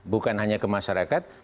bukan hanya ke masyarakat